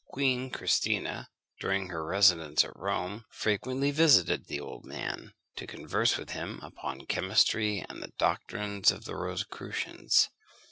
Queen Christina, during her residence at Rome, frequently visited the old man, to converse with him upon chemistry and the doctrines of the Rosicrucians.